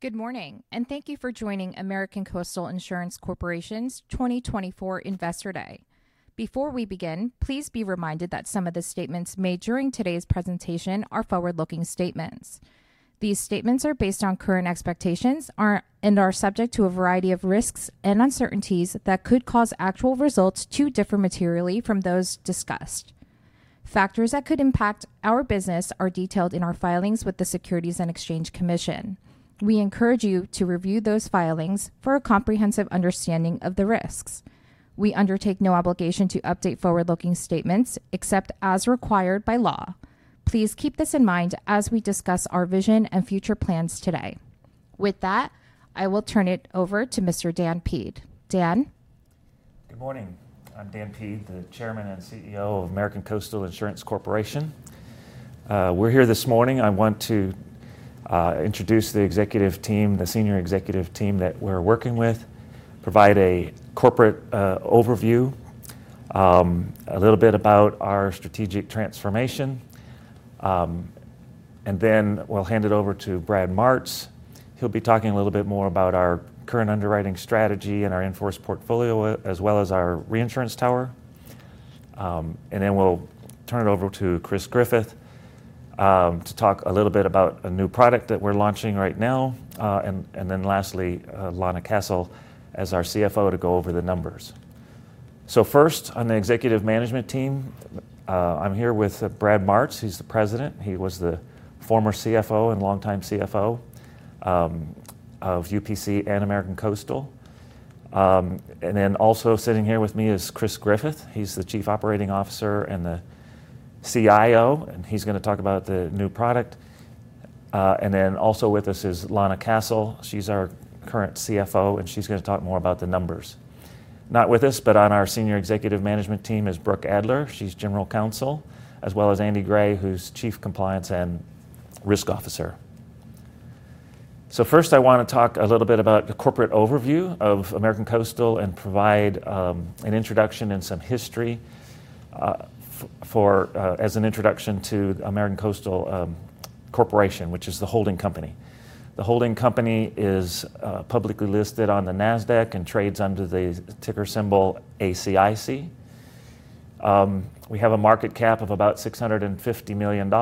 Good morning, and thank you for joining American Coastal Insurance Corporation's 2024 Investor Day. Before we begin, please be reminded that some of the statements made during today's presentation are forward-looking statements. These statements are based on current expectations and are subject to a variety of risks and uncertainties that could cause actual results to differ materially from those discussed. Factors that could impact our business are detailed in our filings with the Securities and Exchange Commission. We encourage you to review those filings for a comprehensive understanding of the risks. We undertake no obligation to update forward-looking statements except as required by law. Please keep this in mind as we discuss our vision and future plans today. With that, I will turn it over to Mr. Dan Peed. Dan. Good morning. I'm Dan Peed, the Chairman and CEO of American Coastal Insurance Corporation. We're here this morning. I want to introduce the executive team, the senior executive team that we're working with, provide a corporate overview, a little bit about our strategic transformation, and then we'll hand it over to Brad Martz. He'll be talking a little bit more about our current underwriting strategy and our in-force portfolio, as well as our reinsurance tower. And then we'll turn it over to Chris Griffith to talk a little bit about a new product that we're launching right now. And then lastly, Lana Castle as our CFO to go over the numbers. So first, on the executive management team, I'm here with Brad Martz. He's the President. He was the former CFO and longtime CFO of UPC and American Coastal. And then also sitting here with me is Chris Griffith. He's the Chief Operating Officer and the CIO, and he's going to talk about the new product, and then also with us is Lana Castle. She's our current CFO, and she's going to talk more about the numbers. Not with us, but on our senior executive management team is Brooke Adler. She's General Counsel, as well as Andy Gray, who's Chief Compliance and Risk Officer, so first, I want to talk a little bit about the corporate overview of American Coastal Insurance and provide an introduction and some history as an introduction to American Coastal Insurance Corporation, which is the holding company. The holding company is publicly listed on the NASDAQ and trades under the ticker symbol ACIC. We have a market cap of about $650 million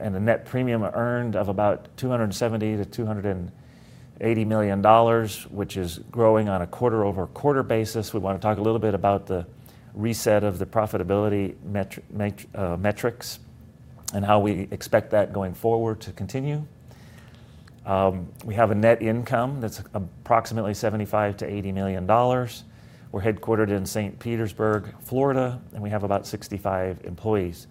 and a net premium earned of about $270-$280 million, which is growing on a quarter-over-quarter basis. We want to talk a little bit about the reset of the profitability metrics and how we expect that going forward to continue. We have a net income that's approximately $75-$80 million. We're headquartered in St. Petersburg, Florida, and we have about 65 employees.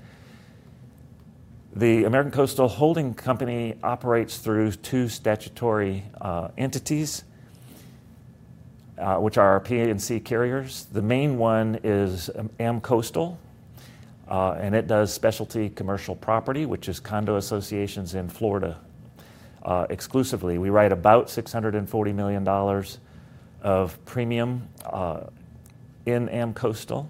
The American Coastal holding company operates through two statutory entities, which are our P&C carriers. The main one is AmCoastal, and it does specialty commercial property, which is condo associations in Florida exclusively. We write about $640 million of premium in AmCoastal.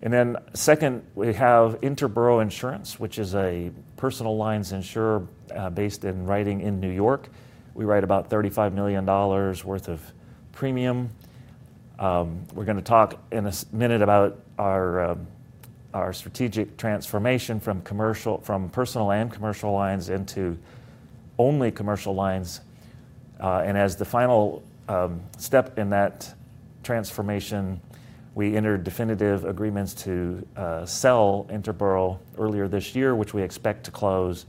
Then second, we have Interboro Insurance, which is a personal lines insurer based in New York. We write about $35 million worth of premium. We're going to talk in a minute about our strategic transformation from personal and commercial lines into only commercial lines. As the final step in that transformation, we entered definitive agreements to sell Interboro earlier this year, which we expect to close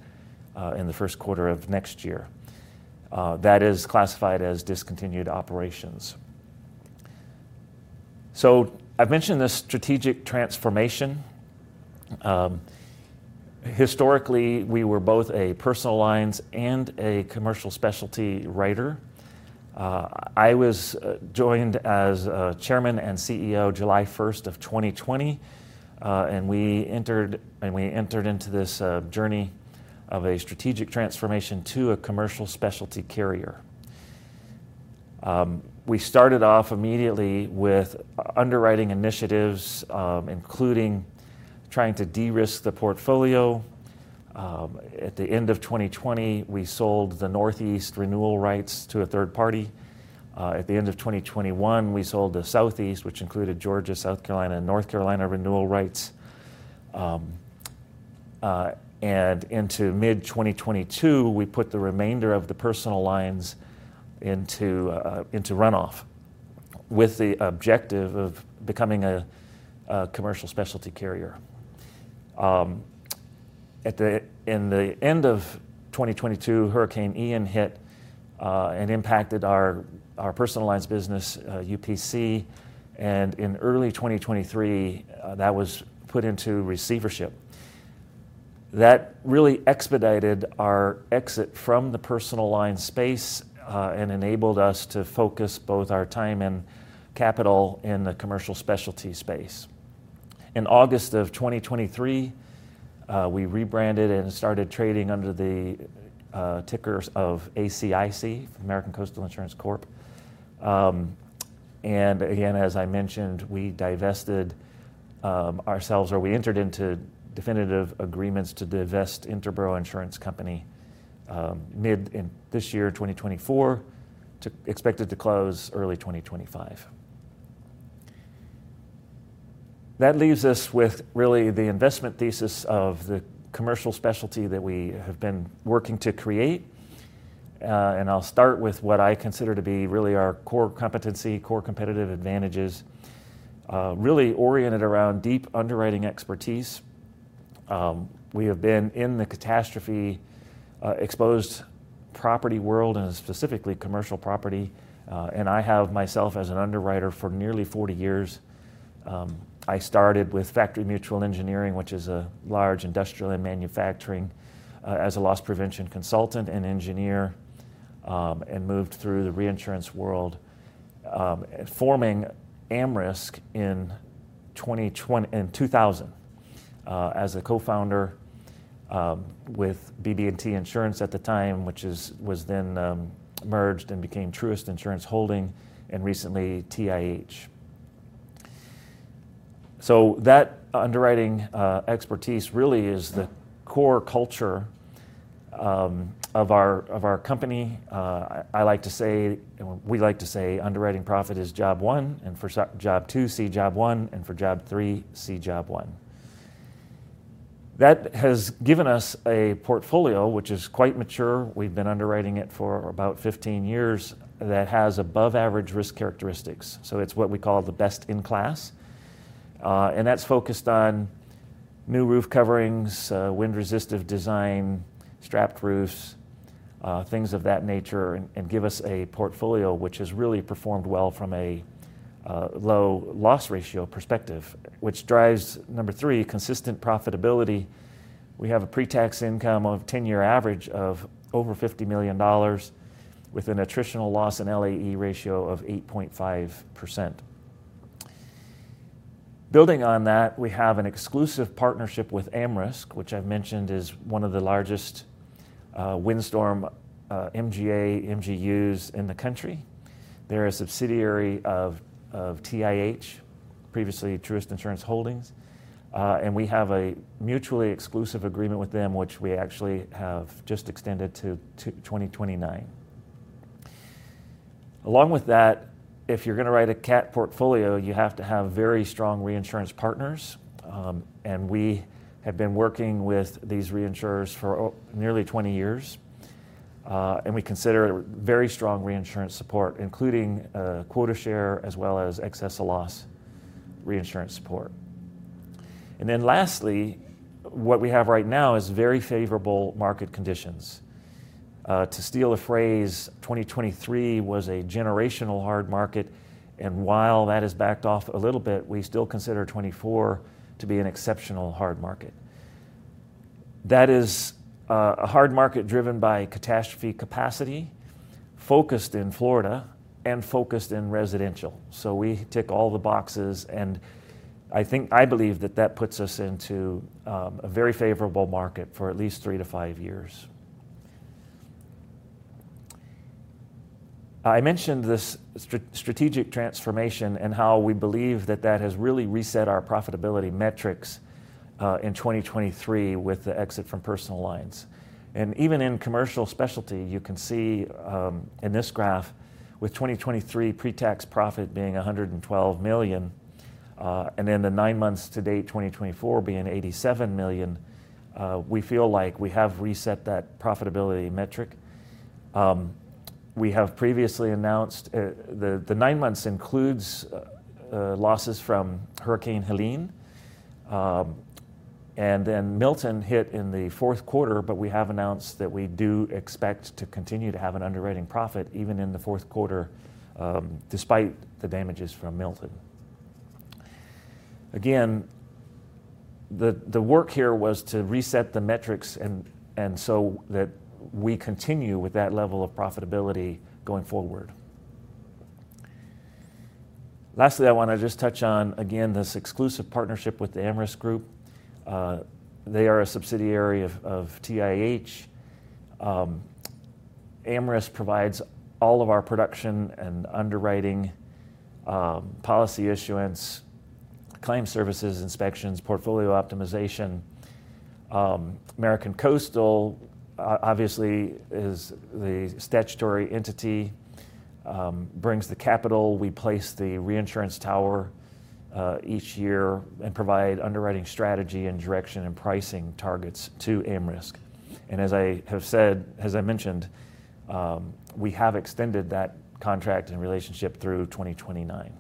in the first quarter of next year. That is classified as discontinued operations. I've mentioned this strategic transformation. Historically, we were both a personal lines and a commercial specialty writer. I joined as Chairman and CEO July 1st of 2020, and we entered into this journey of a strategic transformation to a commercial specialty carrier. We started off immediately with underwriting initiatives, including trying to de-risk the portfolio. At the end of 2020, we sold the Northeast renewal rights to a third party. At the end of 2021, we sold the Southeast, which included Georgia, South Carolina, and North Carolina renewal rights. Into mid-2022, we put the remainder of the personal lines into runoff with the objective of becoming a commercial specialty carrier. In the end of 2022, Hurricane Ian hit and impacted our personal lines business, UPC, and in early 2023, that was put into receivership. That really expedited our exit from the personal lines space and enabled us to focus both our time and capital in the commercial specialty space. In August of 2023, we rebranded and started trading under the ticker of ACIC, American Coastal Insurance Corporation, and again, as I mentioned, we divested ourselves or we entered into definitive agreements to divest Interboro Insurance Company mid this year, 2024, expected to close early 2025. That leaves us with really the investment thesis of the commercial specialty that we have been working to create. And I'll start with what I consider to be really our core competency, core competitive advantages, really oriented around deep underwriting expertise. We have been in the catastrophe-exposed property world and specifically commercial property. I have myself as an underwriter for nearly 40 years. I started with Factory Mutual Engineering, which is a large industrial and manufacturing, as a loss prevention consultant and engineer, and moved through the reinsurance world, forming AmRisc in 2000 as a co-founder with BB&T Insurance at the time, which was then merged and became Truist Insurance Holdings and recently TIH. That underwriting expertise really is the core culture of our company. I like to say, and we like to say, underwriting profit is job one, and for job two, see job one, and for job three, see job one. That has given us a portfolio, which is quite mature. We've been underwriting it for about 15 years that has above-average risk characteristics. It's what we call the best in class. And that's focused on new roof coverings, wind-resistive design, strapped roofs, things of that nature, and gives us a portfolio which has really performed well from a low loss ratio perspective, which drives, number three, consistent profitability. We have a pre-tax income of 10-year average of over $50 million with an attritional loss and LAE ratio of 8.5%. Building on that, we have an exclusive partnership with AmRisc, which I've mentioned is one of the largest windstorm MGA/MGUs in the country. They're a subsidiary of TIH, Truist Insurance Holdings. And we have a mutually exclusive agreement with them, which we actually have just extended to 2029. Along with that, if you're going to write a CAT portfolio, you have to have very strong reinsurance partners. And we have been working with these reinsurers for nearly 20 years. And we consider very strong reinsurance support, including quota share as well as excess loss reinsurance support. And then lastly, what we have right now is very favorable market conditions. To steal a phrase, 2023 was a generational hard market. And while that has backed off a little bit, we still consider 2024 to be an exceptional hard market. That is a hard market driven by catastrophe capacity, focused in Florida and focused in residential. So we tick all the boxes. And I believe that that puts us into a very favorable market for at least three-to-five years. I mentioned this strategic transformation and how we believe that that has really reset our profitability metrics in 2023 with the exit from personal lines. And even in commercial specialty, you can see in this graph with 2023 pre-tax profit being $112 million and then the nine months to date, 2024, being $87 million, we feel like we have reset that profitability metric. We have previously announced the nine months includes losses from Hurricane Helene. And then Milton hit in the fourth quarter, but we have announced that we do expect to continue to have an underwriting profit even in the fourth quarter despite the damages from Milton. Again, the work here was to reset the metrics and so that we continue with that level of profitability going forward. Lastly, I want to just touch on, again, this exclusive partnership with the AmRisc Group. They are a subsidiary of TIH. AmRisc provides all of our production and underwriting, policy issuance, claim services, inspections, portfolio optimization. American Coastal, obviously, is the statutory entity, brings the capital. We place the reinsurance tower each year and provide underwriting strategy and direction and pricing targets to AmRisc. And as I have said, as I mentioned, we have extended that contract and relationship through 2029.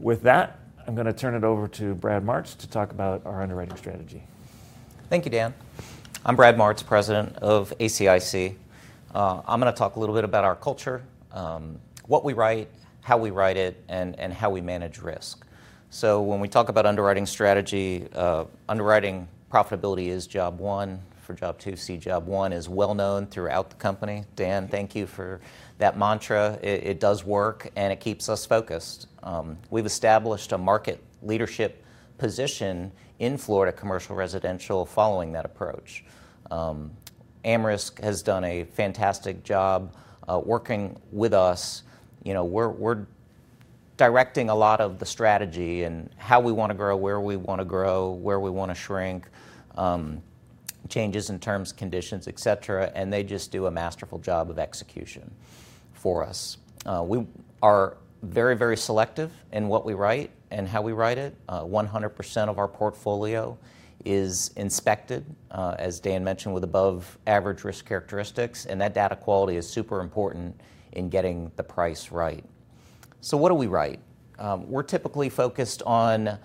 With that, I'm going to turn it over to Brad Martz to talk about our underwriting strategy. Thank you, Dan. I'm Brad Martz, President of ACIC. I'm going to talk a little bit about our culture, what we write, how we write it, and how we manage risk. So when we talk about underwriting strategy, underwriting profitability is job one. For job two, see job one is well known throughout the company. Dan, thank you for that mantra. It does work, and it keeps us focused. We've established a market leadership position in Florida commercial residential following that approach. AmRisc has done a fantastic job working with us. We're directing a lot of the strategy and how we want to grow, where we want to grow, where we want to shrink, changes in terms, conditions, et cetera. And they just do a masterful job of execution for us. We are very, very selective in what we write and how we write it. 100% of our portfolio is inspected, as Dan mentioned, with above-average risk characteristics. And that data quality is super important in getting the price right. So what do we write? We're typically focused on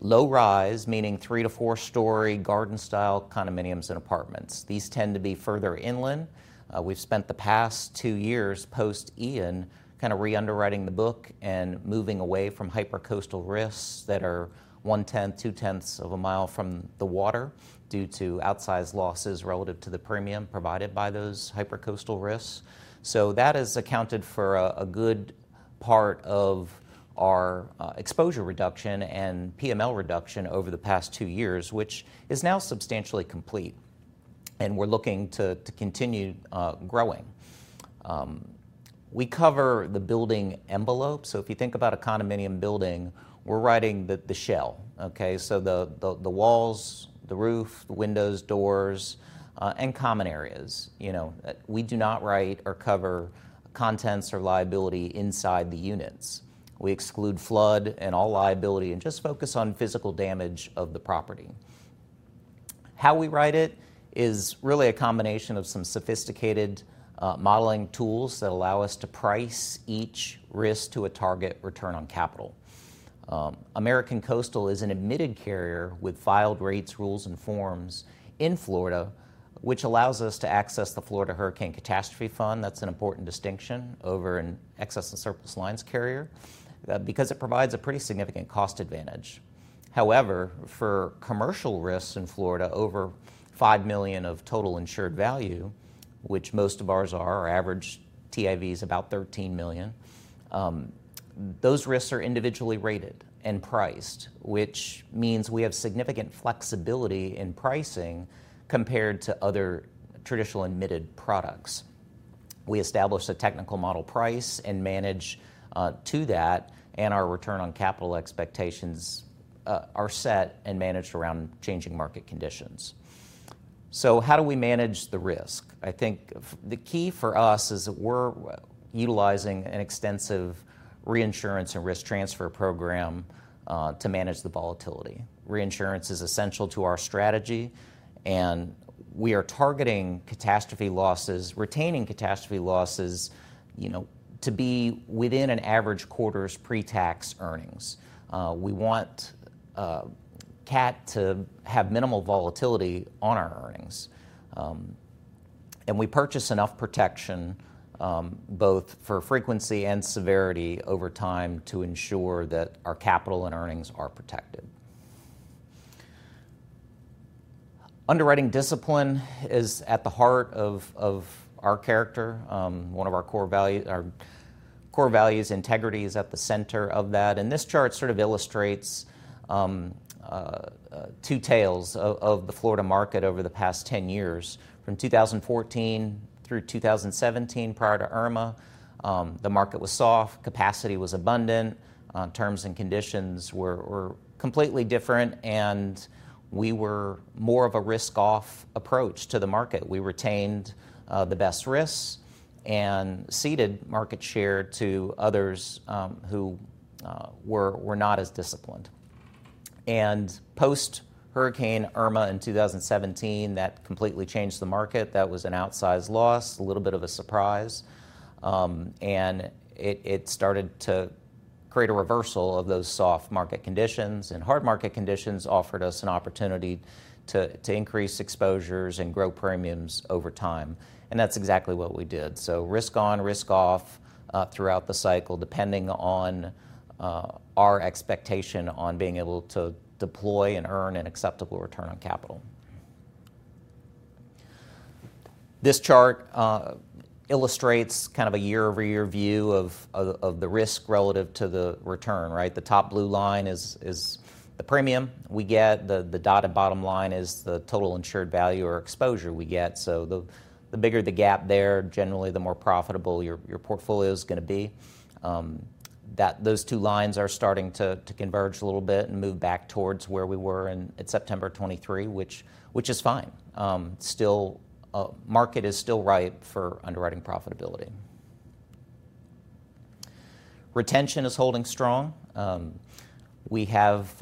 low-rise, meaning three- to four-story garden-style condominiums and apartments. These tend to be further inland. We've spent the past two years post Ian kind of re-underwriting the book and moving away from hypercoastal risks that are one-tenth, two-tenths of a mile from the water due to outsized losses relative to the premium provided by those hypercoastal risks. So that has accounted for a good part of our exposure reduction and PML reduction over the past two years, which is now substantially complete. And we're looking to continue growing. We cover the building envelope. So if you think about a condominium building, we're writing the shell. So the walls, the roof, the windows, doors, and common areas. We do not write or cover contents or liability inside the units. We exclude flood and all liability and just focus on physical damage of the property. How we write it is really a combination of some sophisticated modeling tools that allow us to price each risk to a target return on capital. American Coastal is an admitted carrier with filed rates, rules, and forms in Florida, which allows us to access the Florida Hurricane Catastrophe Fund. That's an important distinction over an excess and surplus lines carrier because it provides a pretty significant cost advantage. However, for commercial risks in Florida over five million of total insured value, which most of ours are, our average TIV is about 13 million, those risks are individually rated and priced, which means we have significant flexibility in pricing compared to other traditional admitted products. We establish a technical model price and manage to that, and our return on capital expectations are set and managed around changing market conditions. So how do we manage the risk? I think the key for us is that we're utilizing an extensive reinsurance and risk transfer program to manage the volatility. Reinsurance is essential to our strategy, and we are targeting catastrophe losses, retaining catastrophe losses to be within an average quarter's pre-tax earnings. We want CAT to have minimal volatility on our earnings. And we purchase enough protection both for frequency and severity over time to ensure that our capital and earnings are protected. Underwriting discipline is at the heart of our character. One of our core values, integrity is at the center of that. And this chart sort of illustrates two tales of the Florida market over the past 10 years. From 2014 through 2017, prior to Irma, the market was soft. Capacity was abundant. Terms and conditions were completely different, and we were more of a risk-off approach to the market. We retained the best risks and ceded market share to others who were not as disciplined, and post-Hurricane Irma in 2017, that completely changed the market. That was an outsized loss, a little bit of a surprise, and it started to create a reversal of those soft market conditions, and hard market conditions offered us an opportunity to increase exposures and grow premiums over time, and that's exactly what we did, so risk on, risk off throughout the cycle, depending on our expectation on being able to deploy and earn an acceptable return on capital. This chart illustrates kind of a year-over-year view of the risk relative to the return. The top blue line is the premium we get. The dotted bottom line is the total insured value or exposure we get. So the bigger the gap there, generally the more profitable your portfolio is going to be. Those two lines are starting to converge a little bit and move back towards where we were in September 2023, which is fine. Market is still ripe for underwriting profitability. Retention is holding strong. We have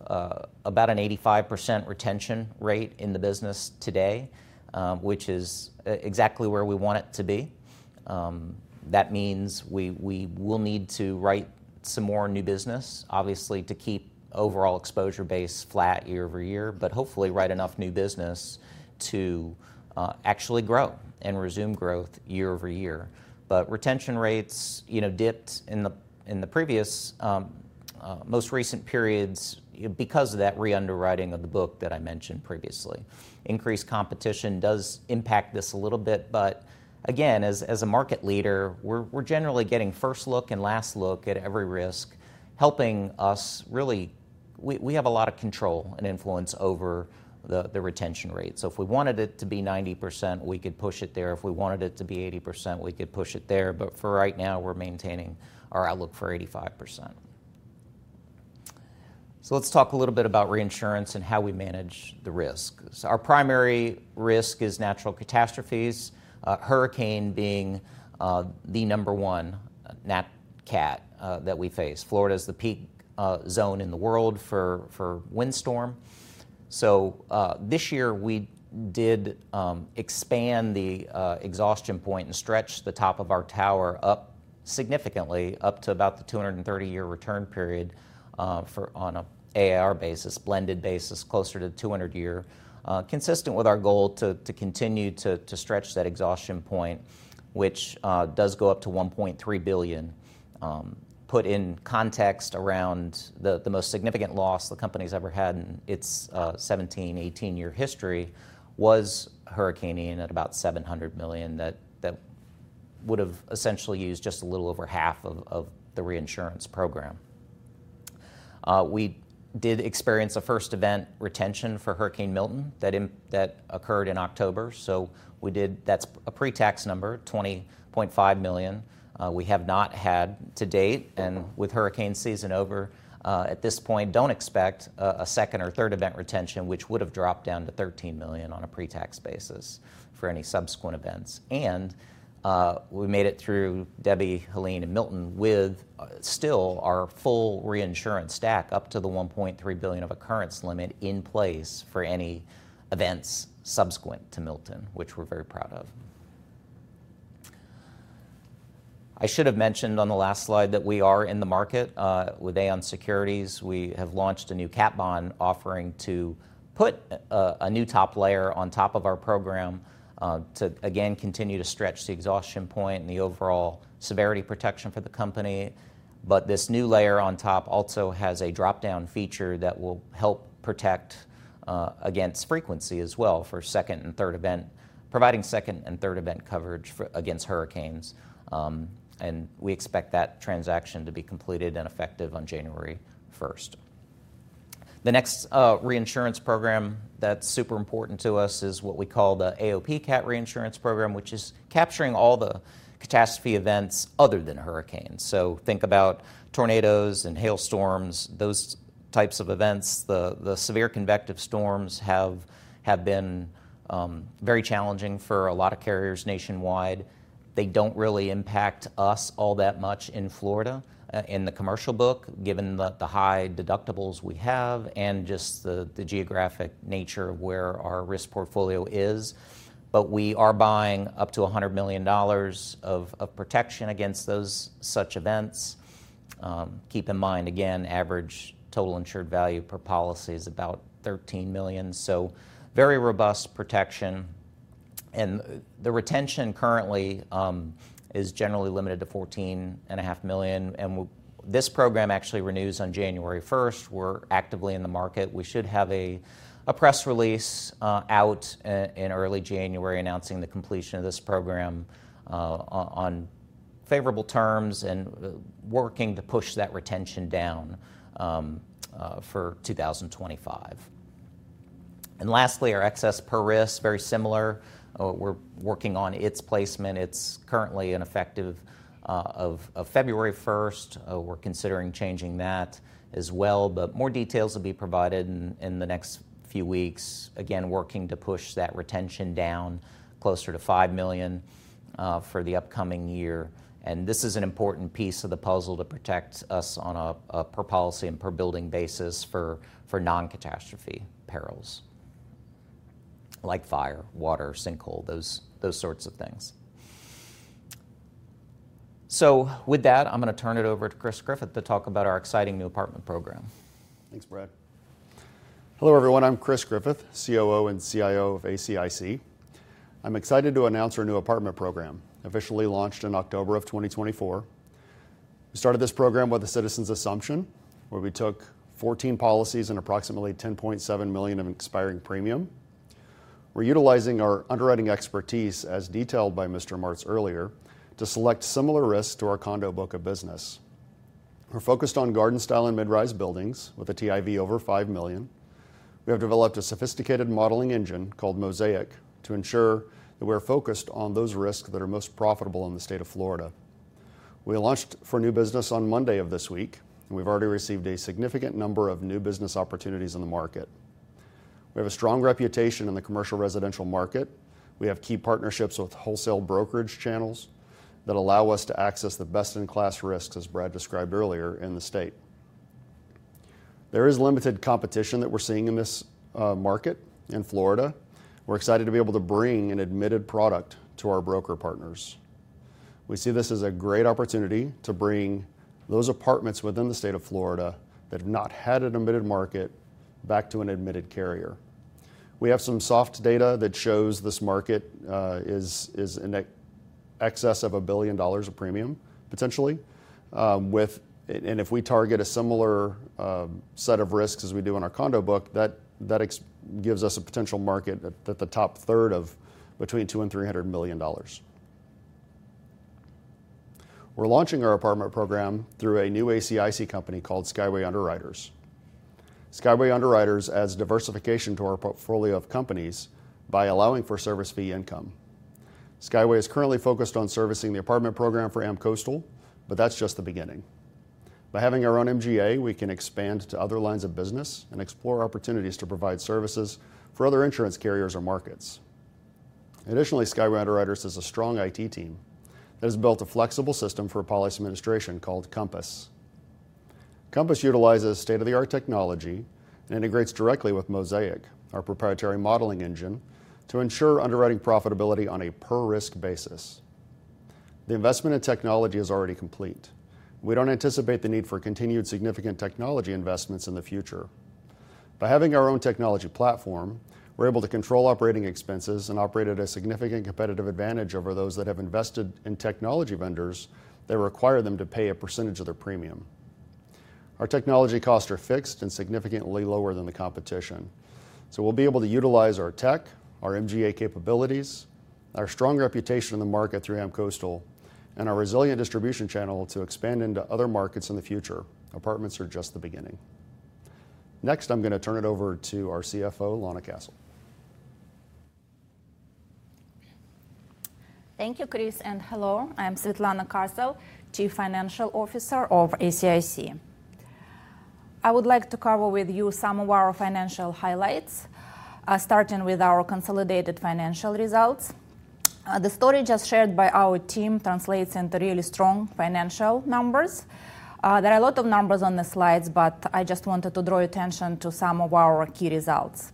about an 85% retention rate in the business today, which is exactly where we want it to be. That means we will need to write some more new business, obviously, to keep overall exposure base flat year over year, but hopefully write enough new business to actually grow and resume growth year over year. But retention rates dipped in the previous most recent periods because of that re-underwriting of the book that I mentioned previously. Increased competition does impact this a little bit. But again, as a market leader, we're generally getting first look and last look at every risk, helping us really we have a lot of control and influence over the retention rate. So if we wanted it to be 90%, we could push it there. If we wanted it to be 80%, we could push it there. But for right now, we're maintaining our outlook for 85%. So let's talk a little bit about reinsurance and how we manage the risk. So our primary risk is natural catastrophes, hurricane being the number one CAT that we face. Florida is the peak zone in the world for windstorm. So this year, we did expand the exhaustion point and stretch the top of our tower up significantly up to about the 230-year return period on an AIR basis, blended basis, closer to the 200-year, consistent with our goal to continue to stretch that exhaustion point, which does go up to $1.3 billion. Put in context around the most significant loss the company's ever had in its 17, 18-year history was Hurricane Ian at about $700 million that would have essentially used just a little over half of the reinsurance program. We did experience a first event retention for Hurricane Milton that occurred in October. So that's a pre-tax number, $20.5 million. We have not had to date. And with hurricane season over at this point, don't expect a second or third event retention, which would have dropped down to $13 million on a pre-tax basis for any subsequent events. And we made it through Debby, Helene, and Milton with still our full reinsurance stack up to the $1.3 billion of occurrence limit in place for any events subsequent to Milton, which we're very proud of. I should have mentioned on the last slide that we are in the market with Aon Securities. We have launched a new CAT bond offering to put a new top layer on top of our program to, again, continue to stretch the exhaustion point and the overall severity protection for the company. But this new layer on top also has a drop-down feature that will help protect against frequency as well for second and third event, providing second and third event coverage against hurricanes. And we expect that transaction to be completed and effective on January 1st. The next reinsurance program that's super important to us is what we call the AOP CAT reinsurance program, which is capturing all the catastrophe events other than hurricanes. So think about tornadoes and hailstorms, those types of events. The severe convective storms have been very challenging for a lot of carriers nationwide. They don't really impact us all that much in Florida in the commercial book, given the high deductibles we have and just the geographic nature of where our risk portfolio is. But we are buying up to $100 million of protection against those such events. Keep in mind, again, average total insured value per policy is about 13 million. So very robust protection. And the retention currently is generally limited to 14.5 million. And this program actually renews on January 1st. We're actively in the market. We should have a press release out in early January announcing the completion of this program on favorable terms and working to push that retention down for 2025. And lastly, our excess per risk, very similar. We're working on its placement. It's currently in effect as of February 1st. We're considering changing that as well. But more details will be provided in the next few weeks. Again, working to push that retention down closer to $5 million for the upcoming year. And this is an important piece of the puzzle to protect us on a per policy and per building basis for non-catastrophe perils like fire, water, sinkhole, those sorts of things. So with that, I'm going to turn it over to Chris Griffith to talk about our exciting new apartment program. Thanks, Brad. Hello, everyone. I'm Chris Griffith, COO and CIO of ACIC. I'm excited to announce our new apartment program, officially launched in October of 2024. We started this program with a Citizens assumption where we took 14 policies and approximately $10.7 million of an expiring premium. We're utilizing our underwriting expertise, as detailed by Mr. Martz earlier, to select similar risks to our condo book of business. We're focused on garden-style and mid-rise buildings with a TIV over $5 million. We have developed a sophisticated modeling engine called Mosaic to ensure that we are focused on those risks that are most profitable in the state of Florida. We launched for new business on Monday of this week, and we've already received a significant number of new business opportunities in the market. We have a strong reputation in the commercial residential market. We have key partnerships with wholesale brokerage channels that allow us to access the best-in-class risks, as Brad described earlier, in the state. There is limited competition that we're seeing in this market in Florida. We're excited to be able to bring an admitted product to our broker partners. We see this as a great opportunity to bring those apartments within the state of Florida that have not had an admitted market back to an admitted carrier. We have some soft data that shows this market is in excess of $1 billion of premium, potentially. And if we target a similar set of risks as we do in our condo book, that gives us a potential market at the top third of between $200-$300 million. We're launching our apartment program through a new ACIC company called Skyway Underwriters. Skyway Underwriters adds diversification to our portfolio of companies by allowing for service fee income. Skyway is currently focused on servicing the apartment program for AmCoastal, but that's just the beginning. By having our own MGA, we can expand to other lines of business and explore opportunities to provide services for other insurance carriers or markets. Additionally, Skyway Underwriters has a strong IT team that has built a flexible system for policy administration called Compass. Compass utilizes state-of-the-art technology and integrates directly with Mosaic, our proprietary modeling engine, to ensure underwriting profitability on a per-risk basis. The investment in technology is already complete. We don't anticipate the need for continued significant technology investments in the future. By having our own technology platform, we're able to control operating expenses and operate at a significant competitive advantage over those that have invested in technology vendors that require them to pay a percentage of their premium. Our technology costs are fixed and significantly lower than the competition. So we'll be able to utilize our tech, our MGA capabilities, our strong reputation in the market through AmCoastal, and our resilient distribution channel to expand into other markets in the future. Apartments are just the beginning. Next, I'm going to turn it over to our CFO, Lana Castle. Thank you, Chris, and hello. I'm Svetlana Castle, Chief Financial Officer of ACIC. I would like to cover with you some of our financial highlights, starting with our consolidated financial results. The story just shared by our team translates into really strong financial numbers. There are a lot of numbers on the slides, but I just wanted to draw attention to some of our key results.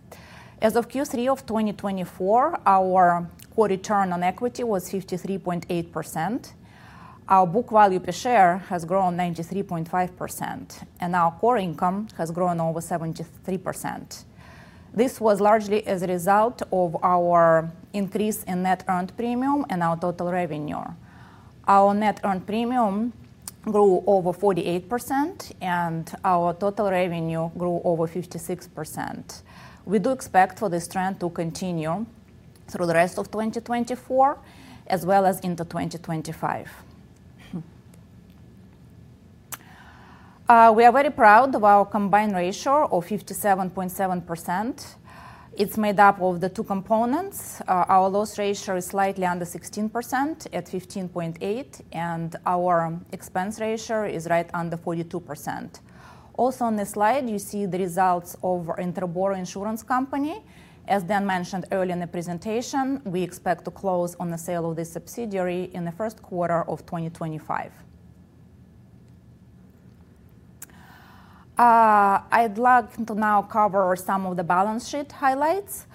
As of Q3 of 2024, our core return on equity was 53.8%. Our book value per share has grown 93.5%, and our core income has grown over 73%. This was largely as a result of our increase in net earned premium and our total revenue. Our net earned premium grew over 48%, and our total revenue grew over 56%. We do expect for this trend to continue through the rest of 2024, as well as into 2025. We are very proud of our combined ratio of 57.7%. It's made up of the two components. Our loss ratio is slightly under 16% at 15.8%, and our expense ratio is right under 42%. Also, on the slide, you see the results of Interboro Insurance Company. As Dan mentioned earlier in the presentation, we expect to close on the sale of this subsidiary in the first quarter of 2025. I'd like to now cover some of the balance sheet highlights.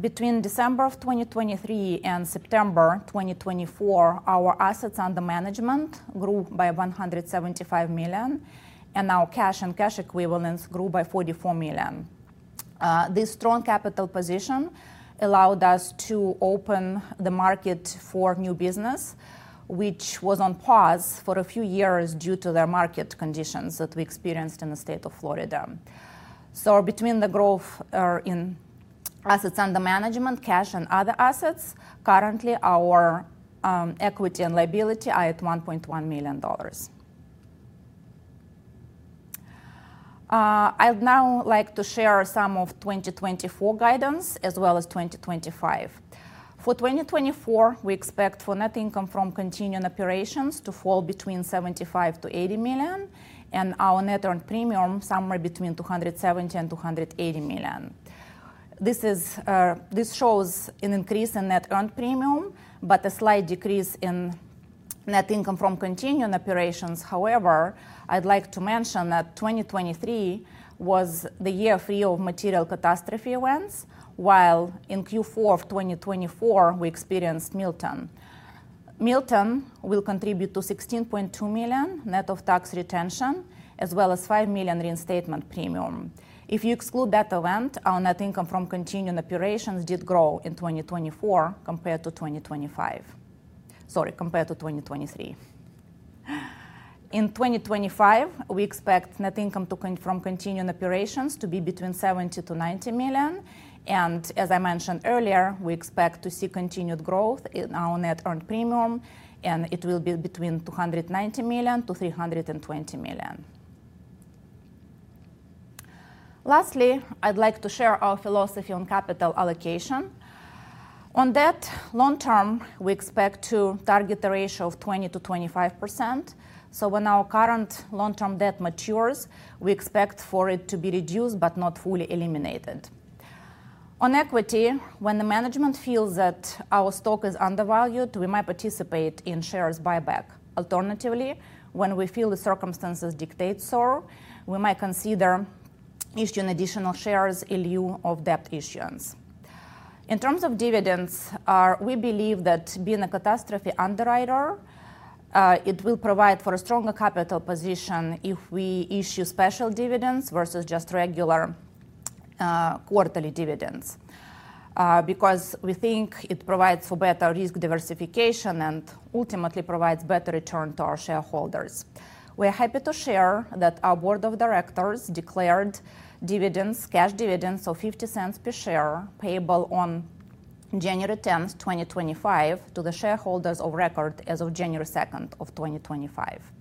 Between December of 2023 and September 2024, our assets under management grew by $175 million, and our cash and cash equivalents grew by $44 million. This strong capital position allowed us to open the market for new business, which was on pause for a few years due to the market conditions that we experienced in the state of Florida. So between the growth in assets under management, cash, and other assets, currently our equity and liability are at $1.1 million. I'd now like to share some of 2024 guidance as well as 2025. For 2024, we expect net income from continuing operations to fall between $75-$80 million and our net earned premium somewhere between $270-$280 million. This shows an increase in net earned premium, but a slight decrease in net income from continuing operations. However, I'd like to mention that 2023 was the year free of material catastrophe events, while in Q4 of 2024, we experienced Milton. Milton will contribute to $16.2 million net of tax retention, as well as $5 million reinstatement premium. If you exclude that event, our net income from continuing operations did grow in 2024 compared to 2025. Sorry, compared to 2023. In 2025, we expect net income from continuing operations to be between $70-$90 million. And as I mentioned earlier, we expect to see continued growth in our net earned premium, and it will be between $290-$320 million. Lastly, I'd like to share our philosophy on capital allocation. On debt, long term, we expect to target a ratio of 20%-25%. So when our current long-term debt matures, we expect for it to be reduced but not fully eliminated. On equity, when the management feels that our stock is undervalued, we might participate in shares buyback. Alternatively, when we feel the circumstances dictate so, we might consider issuing additional shares in lieu of debt issuance. In terms of dividends, we believe that being a catastrophe underwriter, it will provide for a stronger capital position if we issue special dividends versus just regular quarterly dividends because we think it provides for better risk diversification and ultimately provides better return to our shareholders. We are happy to share that our board of directors declared cash dividends of $0.50 per share payable on January 10, 2025, to the shareholders of record as of January 2, 2025.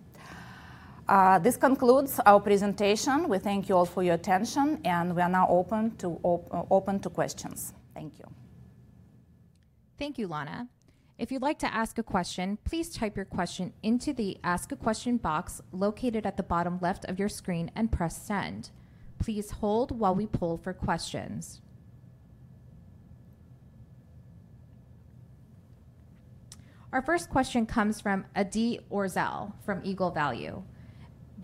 This concludes our presentation. We thank you all for your attention, and we are now open to questions. Thank you. Thank you, Lana. If you'd like to ask a question, please type your question into the Ask a Question box located at the bottom left of your screen and press Send. Please hold while we pull for questions. Our first question comes from Adeed Orzal from Eagle Value.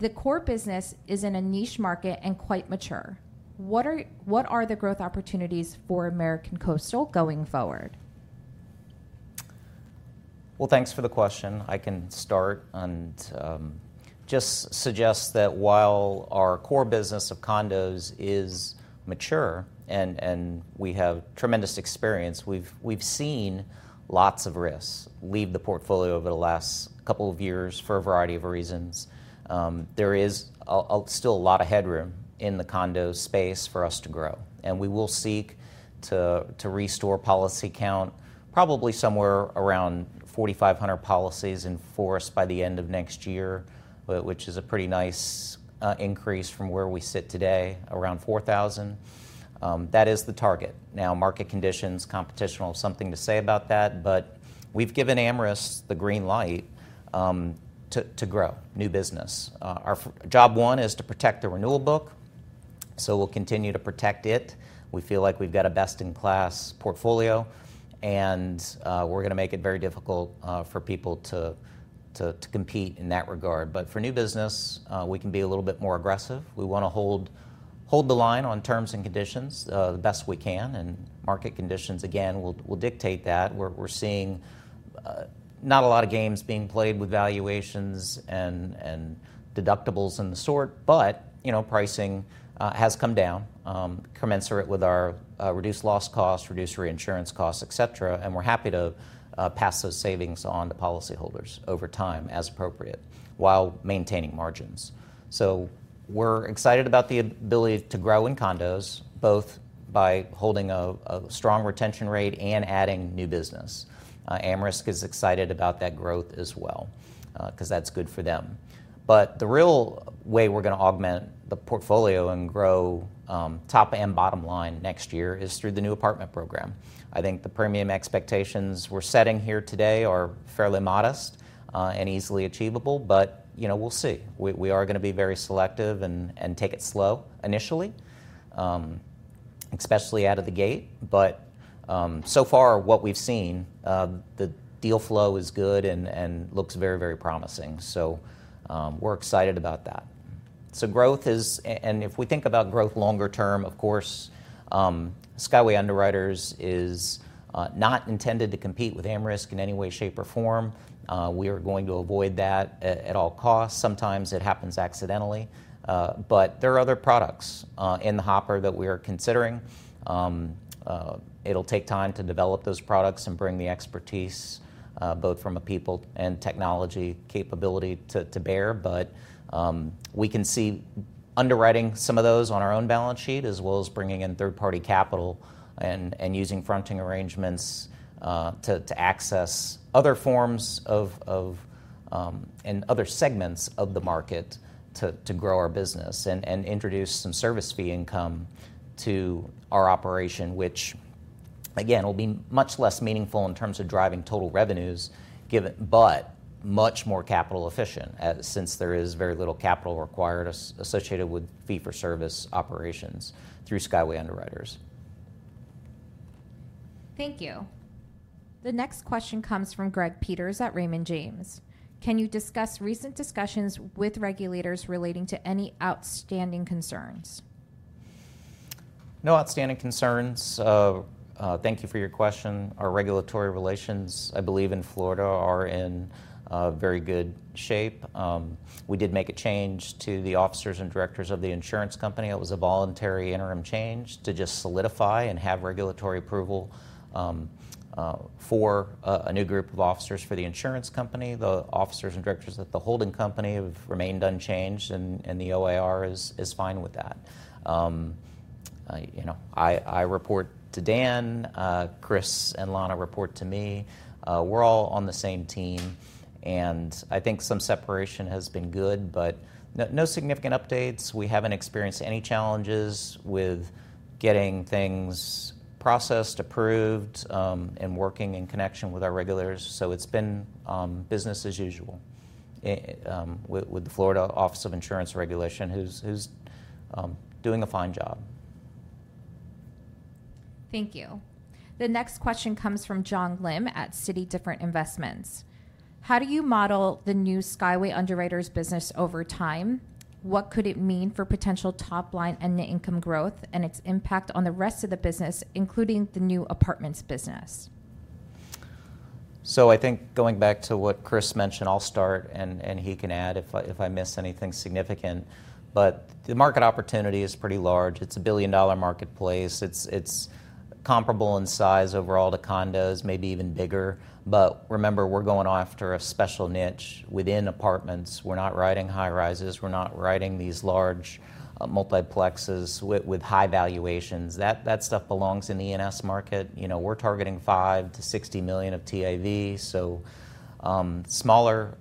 The core business is in a niche market and quite mature. What are the growth opportunities for American Coastal going forward? Well, thanks for the question. I can start and just suggest that while our core business of condos is mature and we have tremendous experience, we've seen lots of risks leave the portfolio over the last couple of years for a variety of reasons. There is still a lot of headroom in the condo space for us to grow. And we will seek to restore policy count, probably somewhere around 4,500 policies in force by the end of next year, which is a pretty nice increase from where we sit today, around 4,000. That is the target. Now, market conditions competitive have something to say about that, but we've given AmRisc the green light to grow new business. Our job one is to protect the renewal book, so we'll continue to protect it. We feel like we've got a best-in-class portfolio, and we're going to make it very difficult for people to compete in that regard. But for new business, we can be a little bit more aggressive. We want to hold the line on terms and conditions the best we can. And market conditions, again, will dictate that. We're seeing not a lot of games being played with valuations and deductibles and the sort, but pricing has come down commensurate with our reduced loss costs, reduced reinsurance costs, et cetera. And we're happy to pass those savings on to policyholders over time as appropriate while maintaining margins. So we're excited about the ability to grow in condos, both by holding a strong retention rate and adding new business. AmRisc is excited about that growth as well because that's good for them. But the real way we're going to augment the portfolio and grow top and bottom line next year is through the new apartment program. I think the premium expectations we're setting here today are fairly modest and easily achievable, but we'll see. We are going to be very selective and take it slow initially, especially out of the gate. But so far, what we've seen, the deal flow is good and looks very, very promising. So we're excited about that. And if we think about growth longer term, of course, Skyway Underwriters is not intended to compete with AmRisc in any way, shape, or form. We are going to avoid that at all costs. Sometimes it happens accidentally. But there are other products in the hopper that we are considering. It'll take time to develop those products and bring the expertise, both from a people and technology capability to bear. But we can see underwriting some of those on our own balance sheet, as well as bringing in third-party capital and using fronting arrangements to access other forms and other segments of the market to grow our business and introduce some service fee income to our operation, which, again, will be much less meaningful in terms of driving total revenues, but much more capital efficient since there is very little capital required associated with fee-for-service operations through Skyway Underwriters. Thank you. The next question comes from Greg Peters at Raymond James. Can you discuss recent discussions with regulators relating to any outstanding concerns? No outstanding concerns. Thank you for your question. Our regulatory relations, I believe, in Florida are in very good shape. We did make a change to the officers and directors of the insurance company. It was a voluntary interim change to just solidify and have regulatory approval for a new group of officers for the insurance company. The officers and directors at the holding company have remained unchanged, and the OIR is fine with that. I report to Dan. Chris and Lana report to me. We're all on the same team. And I think some separation has been good, but no significant updates. We haven't experienced any challenges with getting things processed, approved, and working in connection with our regulators. So it's been business as usual with the Florida Office of Insurance Regulation, who's doing a fine job. Thank you. The next question comes from John Lim at City Different Investments. How do you model the new Skyway Underwriters business over time? What could it mean for potential top-line and net income growth and its impact on the rest of the business, including the new apartments business? So I think going back to what Chris mentioned, I'll start, and he can add if I miss anything significant. But the market opportunity is pretty large. It's a $1 billion marketplace. It's comparable in size over all the condos, maybe even bigger. But remember, we're going after a special niche within apartments. We're not writing high rises. We're not writing these large multiplexes with high valuations. That stuff belongs in the E&S market. We're targeting 5-60 million of TIV, so smaller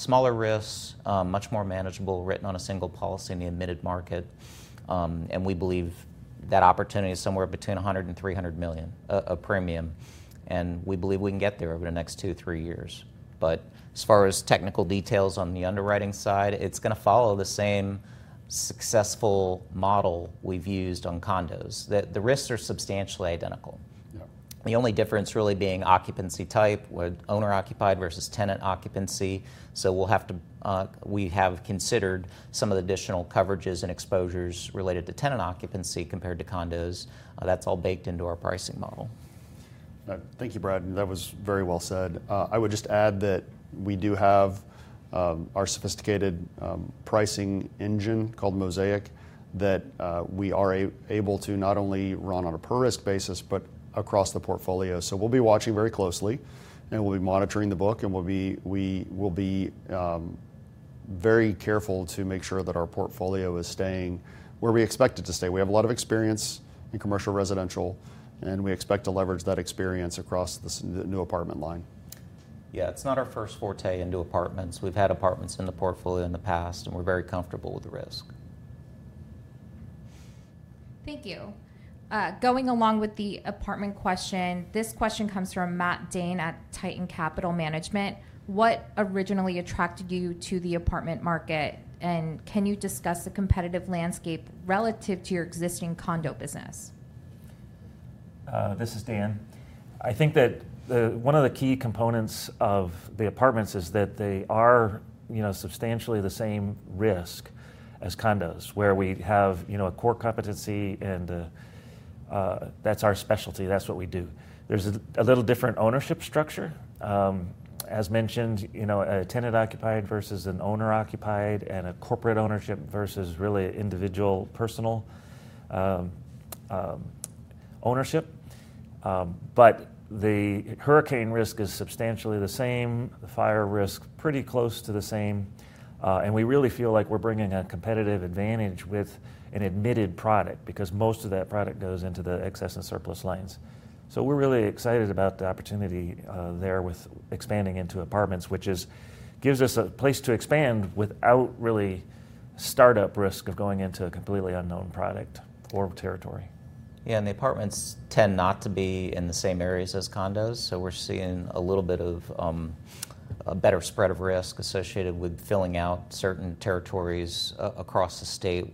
risks, much more manageable, written on a single policy in the admitted market. And we believe that opportunity is somewhere between $100 million and $300 million of premium. And we believe we can get there over the next two, three years. But as far as technical details on the underwriting side, it's going to follow the same successful model we've used on condos. The risks are substantially identical. The only difference really being occupancy type, owner-occupied versus tenant occupancy. So we have considered some of the additional coverages and exposures related to tenant occupancy compared to condos. That's all baked into our pricing model. Thank you, Brad. That was very well said. I would just add that we do have our sophisticated pricing engine called Mosaic that we are able to not only run on a per-risk basis, but across the portfolio. So we'll be watching very closely, and we'll be monitoring the book, and we'll be very careful to make sure that our portfolio is staying where we expect it to stay. We have a lot of experience in commercial residential, and we expect to leverage that experience across the new apartment line. Yeah, it's not our first foray in new apartments. We've had apartments in the portfolio in the past, and we're very comfortable with the risk. Thank you. Going along with the apartment question, this question comes from Matt Dane at Titan Capital Management. What originally attracted you to the apartment market? And can you discuss the competitive landscape relative to your existing condo business? This is Dan. I think that one of the key components of the apartments is that they are substantially the same risk as condos, where we have a core competency, and that's our specialty. That's what we do. There's a little different ownership structure. As mentioned, a tenant-occupied versus an owner-occupied and a corporate ownership versus really individual personal ownership. But the hurricane risk is substantially the same, the fire risk pretty close to the same. And we really feel like we're bringing a competitive advantage with an admitted product because most of that product goes into the excess and surplus lines. So we're really excited about the opportunity there with expanding into apartments, which gives us a place to expand without really startup risk of going into a completely unknown product or territory. Yeah, and the apartments tend not to be in the same areas as condos. So we're seeing a little bit of a better spread of risk associated with filling out certain territories across the state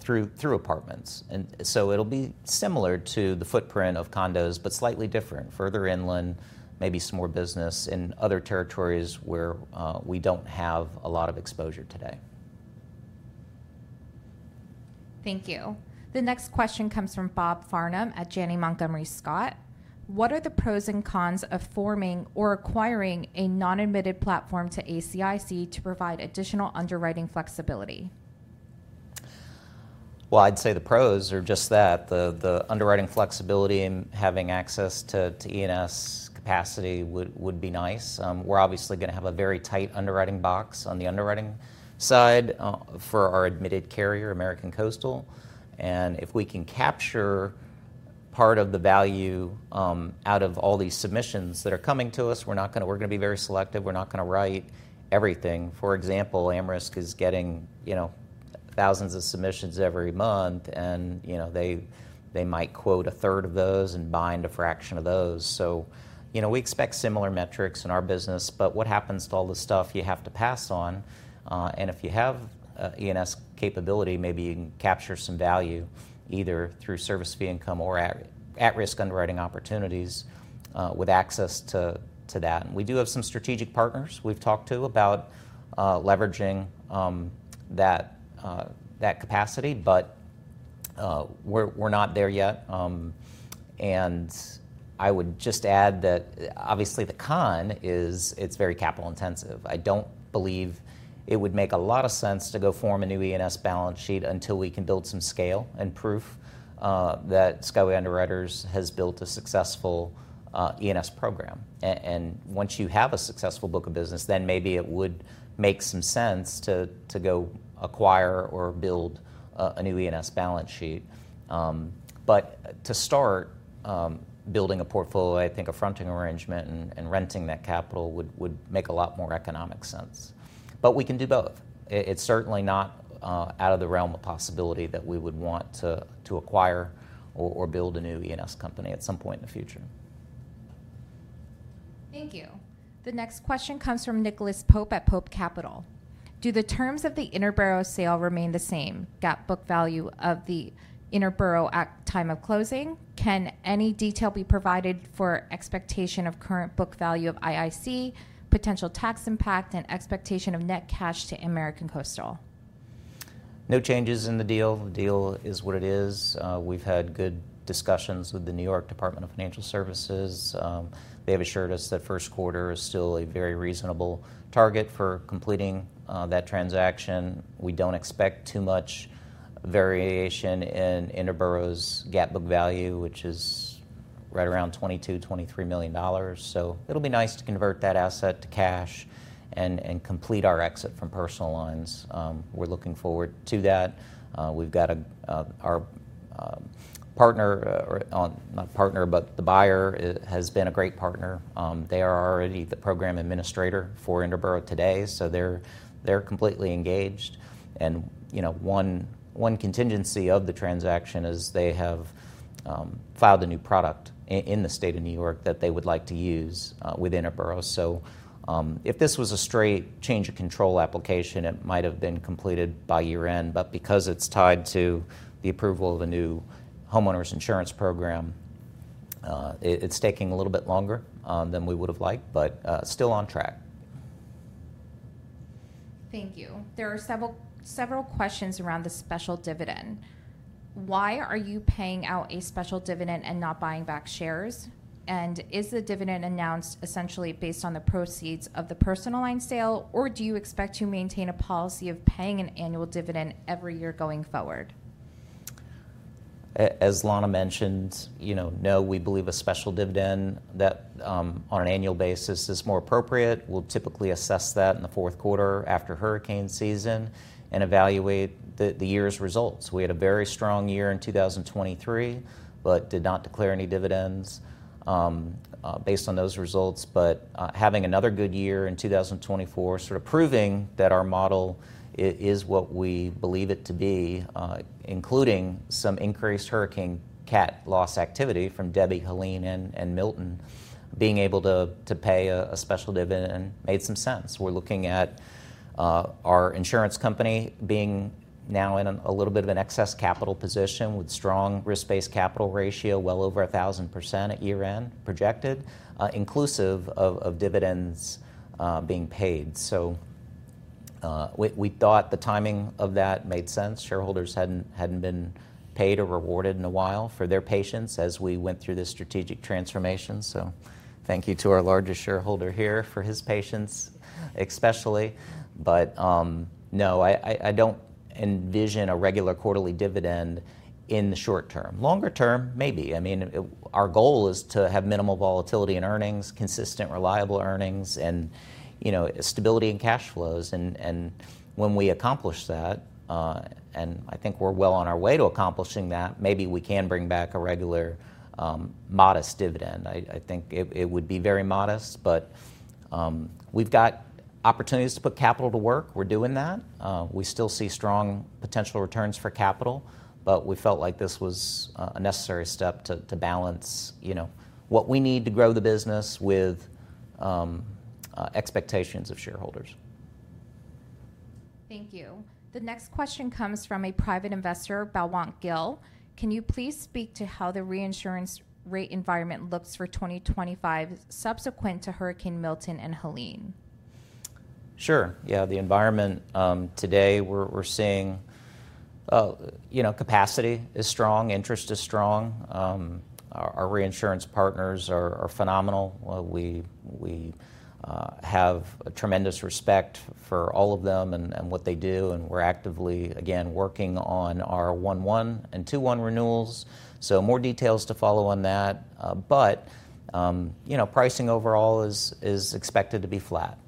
through apartments. And so it'll be similar to the footprint of condos, but slightly different, further inland, maybe some more business in other territories where we don't have a lot of exposure today. Thank you. The next question comes from Bob Farnham at Janney Montgomery Scott. What are the pros and cons of forming or acquiring a non-admitted platform to ACIC to provide additional underwriting flexibility? Well, I'd say the pros are just that. The underwriting flexibility and having access to E&S capacity would be nice. We're obviously going to have a very tight underwriting box on the underwriting side for our admitted carrier, American Coastal. And if we can capture part of the value out of all these submissions that are coming to us, we're going to be very selective. We're not going to write everything. For example, AmRisc is getting thousands of submissions every month, and they might quote a third of those and bind a fraction of those. So we expect similar metrics in our business. But what happens to all the stuff you have to pass on? And if you have E&S capability, maybe you can capture some value either through service fee income or at-risk underwriting opportunities with access to that. And we do have some strategic partners we've talked to about leveraging that capacity, but we're not there yet. And I would just add that, obviously, the con is it's very capital intensive. I don't believe it would make a lot of sense to go form a new E&S balance sheet until we can build some scale and proof that Skyway Underwriters has built a successful E&S program. And once you have a successful book of business, then maybe it would make some sense to go acquire or build a new E&S balance sheet. But to start building a portfolio, I think a fronting arrangement and renting that capital would make a lot more economic sense. But we can do both. It's certainly not out of the realm of possibility that we would want to acquire or build a new E&S company at some point in the future. Thank you. The next question comes from Nicholas Pope at Pope Capital. Do the terms of the Interboro sale remain the same? GAAP book value of the Interboro at time of closing. Can any detail be provided for expectation of current book value of IIC, potential tax impact, and expectation of net cash to American Coastal? No changes in the deal. The deal is what it is. We've had good discussions with the New York Department of Financial Services. They've assured us that first quarter is still a very reasonable target for completing that transaction. We don't expect too much variation in Interboro's GAAP book value, which is right around $22-$23 million. So it'll be nice to convert that asset to cash and complete our exit from personal lines. We're looking forward to that. We've got our partner, not partner, but the buyer has been a great partner. They are already the program administrator for Interboro today. So they're completely engaged. And one contingency of the transaction is they have filed a new product in the state of New York that they would like to use with Interboro. So if this was a straight change of control application, it might have been completed by year-end. But because it's tied to the approval of a new homeowners insurance program, it's taking a little bit longer than we would have liked, but still on track. Thank you. There are several questions around the special dividend. Why are you paying out a special dividend and not buying back shares? Is the dividend announced essentially based on the proceeds of the personal line sale, or do you expect to maintain a policy of paying an annual dividend every year going forward? As Lana mentioned, no, we believe a special dividend on an annual basis is more appropriate. We'll typically assess that in the fourth quarter after hurricane season and evaluate the year's results. We had a very strong year in 2023, but did not declare any dividends based on those results. But having another good year in 2024, sort of proving that our model is what we believe it to be, including some increased hurricane cat loss activity from Debby, Helene, and Milton being able to pay a special dividend, made some sense. We're looking at our insurance company being now in a little bit of an excess capital position with strong risk-based capital ratio, well over 1,000% at year-end projected, inclusive of dividends being paid, so we thought the timing of that made sense. Shareholders hadn't been paid or rewarded in a while for their patience as we went through this strategic transformation, so thank you to our largest shareholder here for his patience, especially, but no, I don't envision a regular quarterly dividend in the short term. Longer term, maybe. I mean, our goal is to have minimal volatility in earnings, consistent, reliable earnings, and stability in cash flows, and when we accomplish that, and I think we're well on our way to accomplishing that, maybe we can bring back a regular modest dividend. I think it would be very modest, but we've got opportunities to put capital to work. We're doing that. We still see strong potential returns for capital, but we felt like this was a necessary step to balance what we need to grow the business with expectations of shareholders. Thank you. The next question comes from a private investor, Balwant Gill. Can you please speak to how the reinsurance rate environment looks for 2025 subsequent to Hurricane Milton and Helene? Sure. Yeah, the environment today, we're seeing capacity is strong, interest is strong. Our reinsurance partners are phenomenal. We have tremendous respect for all of them and what they do. And we're actively, again, working on our one-one and two-one renewals. So more details to follow on that. But pricing overall is expected to be flat.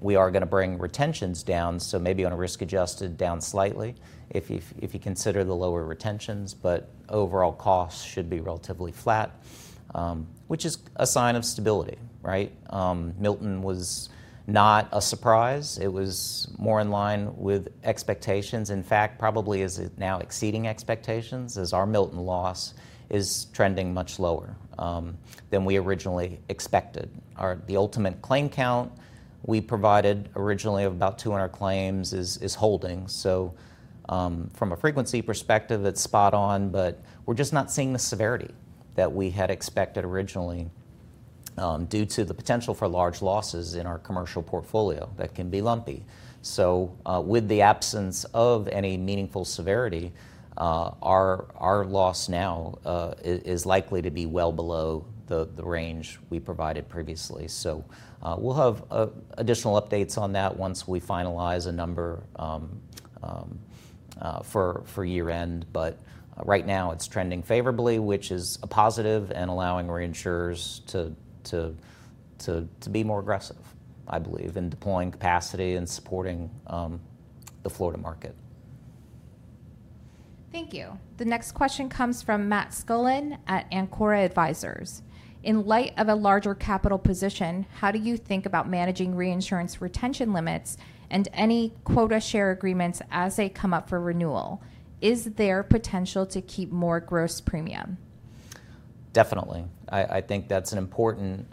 We are going to bring retentions down, so maybe on a risk-adjusted down slightly if you consider the lower retentions. But overall costs should be relatively flat, which is a sign of stability. Right? Milton was not a surprise. It was more in line with expectations. In fact, probably is now exceeding expectations as our Milton loss is trending much lower than we originally expected. The ultimate claim count we provided originally of about 200 claims is holding. So from a frequency perspective, it's spot on, but we're just not seeing the severity that we had expected originally due to the potential for large losses in our commercial portfolio that can be lumpy. So with the absence of any meaningful severity, our loss now is likely to be well below the range we provided previously. So we'll have additional updates on that once we finalize a number for year-end. But right now, it's trending favorably, which is a positive and allowing reinsurers to be more aggressive, I believe, in deploying capacity and supporting the floor to market. Thank you. The next question comes from Matt Skolnik at Ancora Advisors. In light of a larger capital position, how do you think about managing reinsurance retention limits and any quota share agreements as they come up for renewal? Is there potential to keep more gross premium? Definitely. I think that's an important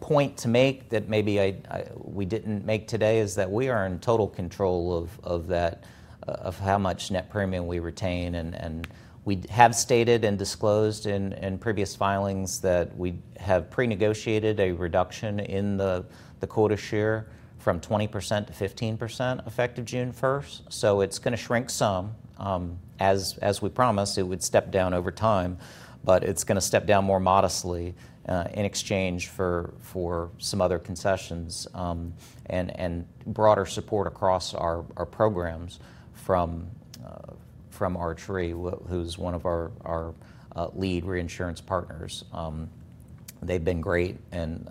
point to make that maybe we didn't make today is that we are in total control of how much net premium we retain. And we have stated and disclosed in previous filings that we have pre-negotiated a reduction in the quota share from 20%-15% effective June 1st. So it's going to shrink some. As we promised, it would step down over time, but it's going to step down more modestly in exchange for some other concessions and broader support across our programs from Arch Re, who's one of our lead reinsurance partners. They've been great, and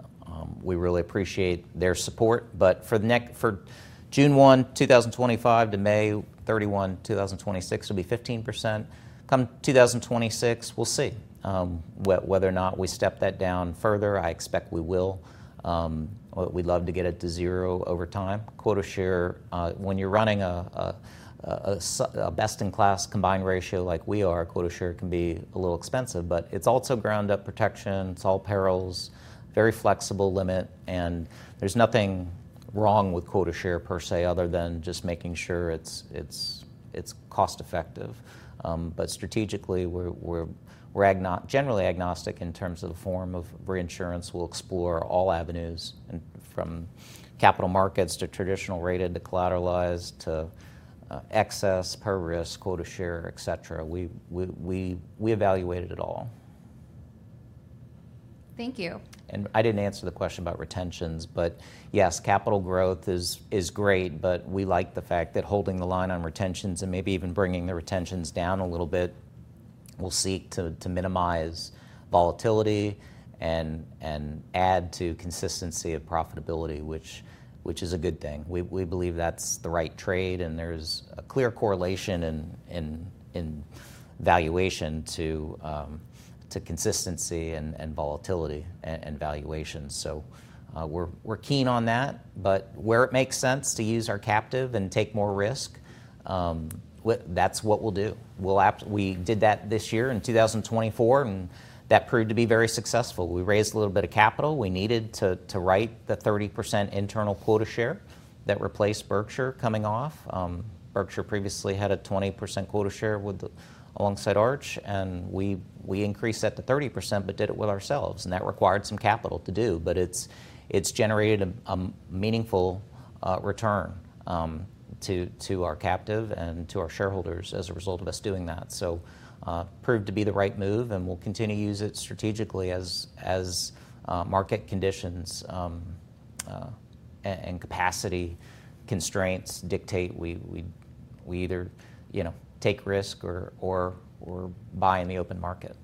we really appreciate their support. But for June 1, 2025, to May 31, 2026, it'll be 15%. Come 2026, we'll see whether or not we step that down further. I expect we will. We'd love to get it to zero over time. Quota share, when you're running a best-in-class combined ratio like we are, quota share can be a little expensive. But it's also ground-up protection. It's all perils, very flexible limit. And there's nothing wrong with quota share per se other than just making sure it's cost-effective. But strategically, we're generally agnostic in terms of the form of reinsurance. We'll explore all avenues from capital markets to traditional rated to collateralized to excess per risk, quota share, etc. Thank you. And I didn't answer the question about retentions, but yes, capital growth is great, but we like the fact that holding the line on retentions and maybe even bringing the retentions down a little bit. We'll seek to minimize volatility and add to consistency of profitability, which is a good thing. We believe that's the right trade, and there's a clear correlation in valuation to consistency and volatility and valuation. So we're keen on that. But where it makes sense to use our captive and take more risk, that's what we'll do. We did that this year in 2024, and that proved to be very successful. We raised a little bit of capital. We needed to write the 30% internal quota share that replaced Berkshire coming off. Berkshire previously had a 20% quota share alongside Arch, and we increased that to 30% but did it with ourselves. And that required some capital to do, but it's generated a meaningful return to our captive and to our shareholders as a result of us doing that. So proved to be the right move, and we'll continue to use it strategically as market conditions and capacity constraints dictate. We either take risk or buy in the open market.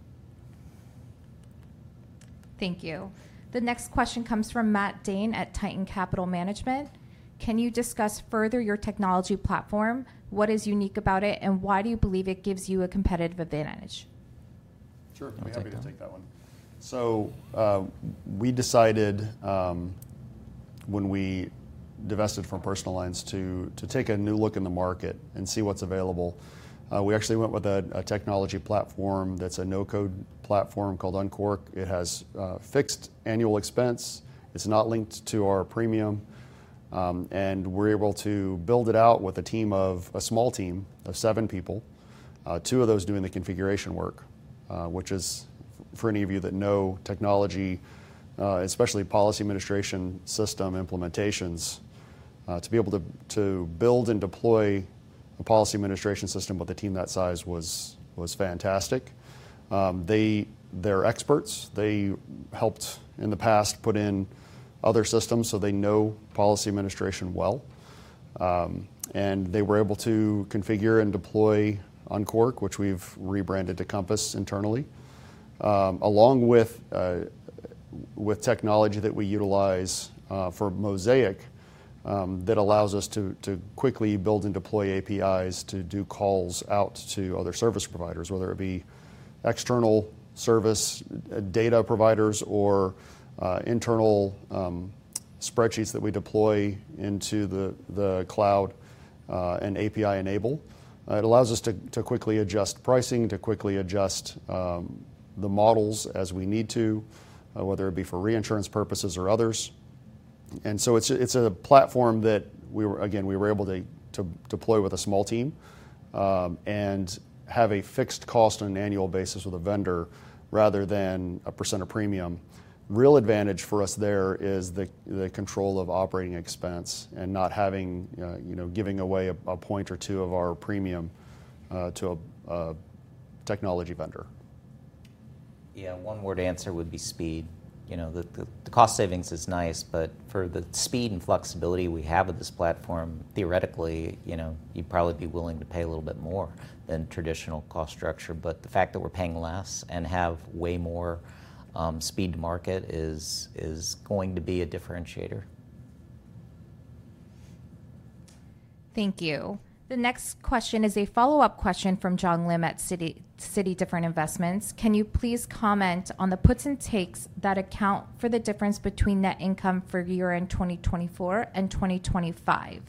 Thank you. The next question comes from Matt Dane at Titan Capital Management. Can you discuss further your technology platform? What is unique about it, and why do you believe it gives you a competitive advantage? Sure. I'm happy to take that one. So we decided when we divested from personal lines to take a new look in the market and see what's available. We actually went with a technology platform that's a no-code platform called Unqork. It has fixed annual expense. It's not linked to our premium. And we're able to build it out with a small team of seven people, two of those doing the configuration work, which is for any of you that know technology, especially policy administration system implementations, to be able to build and deploy a policy administration system with a team that size was fantastic. They're experts. They helped in the past put in other systems, so they know policy administration well. They were able to configure and deploy Unqork, which we've rebranded to Compass internally, along with technology that we utilize for Mosaic that allows us to quickly build and deploy APIs to do calls out to other service providers, whether it be external service data providers or internal spreadsheets that we deploy into the cloud and API enable. It allows us to quickly adjust pricing, to quickly adjust the models as we need to, whether it be for reinsurance purposes or others. It's a platform that, again, we were able to deploy with a small team and have a fixed cost on an annual basis with a vendor rather than a % of premium. Real advantage for us there is the control of operating expense and not giving away a point or two of our premium to a technology vendor. Yeah, one word answer would be speed. The cost savings is nice, but for the speed and flexibility we have with this platform, theoretically, you'd probably be willing to pay a little bit more than traditional cost structure. But the fact that we're paying less and have way more speed to market is going to be a differentiator. Thank you. The next question is a follow-up question from John Lim at City Different Investments. Can you please comment on the puts and takes that account for the difference between net income for year-end 2024 and 2025?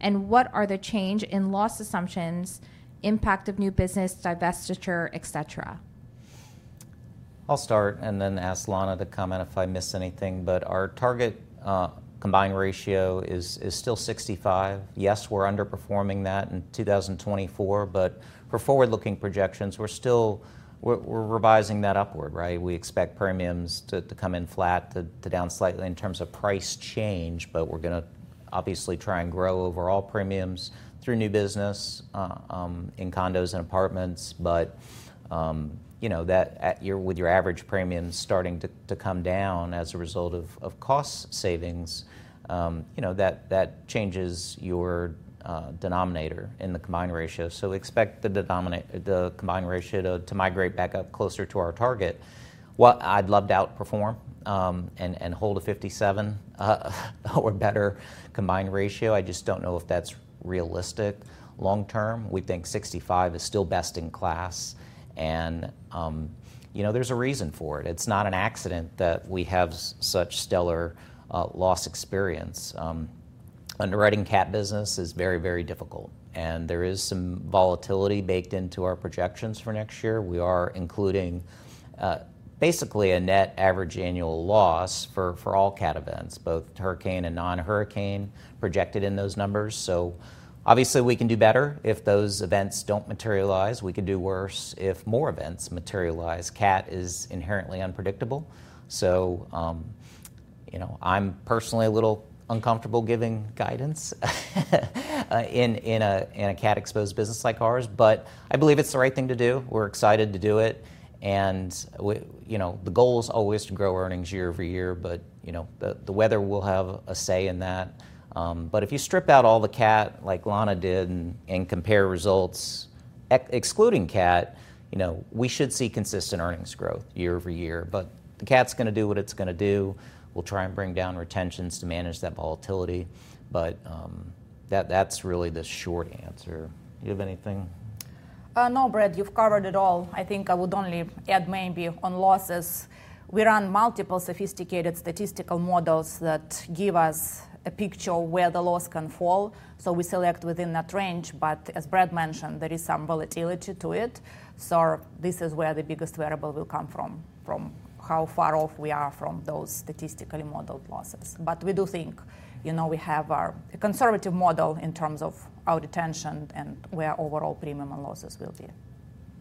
And what are the change in loss assumptions, impact of new business, divestiture, etc.? I'll start and then ask Lana to comment if I miss anything. But our target combined ratio is still 65. Yes, we're underperforming that in 2024, but for forward-looking projections, we're revising that upward. Right? We expect premiums to come in flat to down slightly in terms of price change, but we're going to obviously try and grow overall premiums through new business in condos and apartments. But with your average premiums starting to come down as a result of cost savings, that changes your denominator in the combined ratio. So expect the combined ratio to migrate back up closer to our target. I'd love to outperform and hold a 57 or better combined ratio. I just don't know if that's realistic long term. We think 65 is still best in class. And there's a reason for it. It's not an accident that we have such stellar loss experience. Underwriting cat business is very, very difficult. And there is some volatility baked into our projections for next year. We are including basically a net average annual loss for all cat events, both hurricane and non-hurricane projected in those numbers. So obviously, we can do better if those events don't materialize. We can do worse if more events materialize. Cat is inherently unpredictable. So I'm personally a little uncomfortable giving guidance in a cat-exposed business like ours, but I believe it's the right thing to do. We're excited to do it. And the goal is always to grow earnings year over year, but the weather will have a say in that, but if you strip out all the cat like Lana did and compare results excluding cat, we should see consistent earnings growth year over year, but the cat's going to do what it's going to do. We'll try and bring down retentions to manage that volatility, but that's really the short answer. Do you have anything? No, Brad, you've covered it all. I think I would only add maybe on losses. We run multiple sophisticated statistical models that give us a picture of where the loss can fall. So we select within that range. But as Brad mentioned, there is some volatility to it. So this is where the biggest variable will come from, from how far off we are from those statistically modeled losses. But we do think we have a conservative model in terms of our retention and where overall premium and losses will be.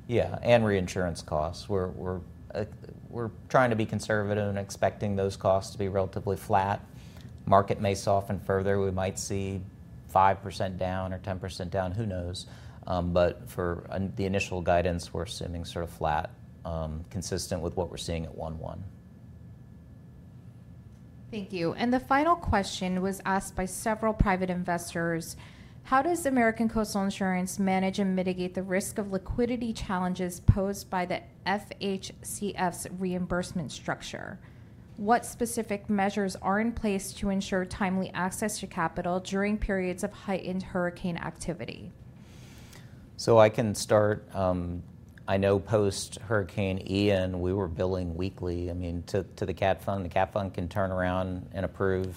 Yeah, and reinsurance costs. We're trying to be conservative and expecting those costs to be relatively flat. Market may soften further. We might see 5% down or 10% down, who knows? But for the initial guidance, we're assuming sort of flat, consistent with what we're seeing at 1/1. Thank you. The final question was asked by several private investors. How does American Coastal Insurance manage and mitigate the risk of liquidity challenges posed by the FHCF's reimbursement structure? What specific measures are in place to ensure timely access to capital during periods of heightened hurricane activity? So I can start. I know post-Hurricane Ian, we were billing weekly, I mean, to the Cat Fund. The Cat Fund can turn around and approve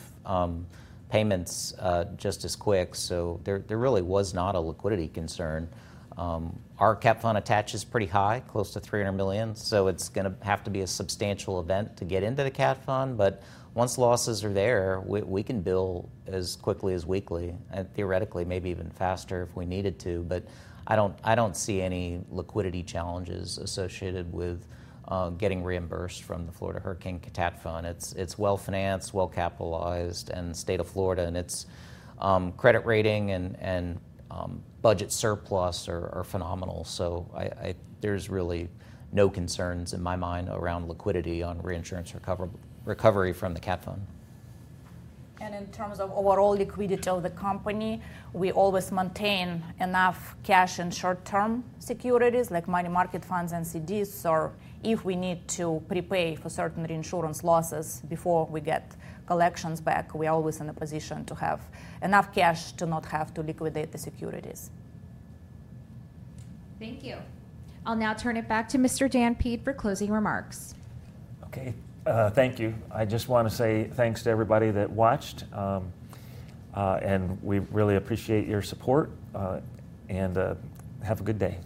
payments just as quick. So there really was not a liquidity concern. Our Cat Fund attaches pretty high, close to $300 million. So it's going to have to be a substantial event to get into the Cat Fund. But once losses are there, we can bill as quickly as weekly and theoretically maybe even faster if we needed to. But I don't see any liquidity challenges associated with getting reimbursed from the Florida Hurricane Catastrophe Fund. It's well-financed, well-capitalized, and State of Florida, and its credit rating and budget surplus are phenomenal, so there's really no concerns in my mind around liquidity on reinsurance recovery from the Cat Fund. And in terms of overall liquidity of the company, we always maintain enough cash and short-term securities like money market funds and CDs, so if we need to prepay for certain reinsurance losses before we get collections back, we are always in a position to have enough cash to not have to liquidate the securities. Thank you. I'll now turn it back to Mr. Dan Peed for closing remarks. Okay. Thank you. I just want to say thanks to everybody that watched, and we really appreciate your support, and have a good day.